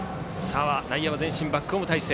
内野は前進バックホーム態勢。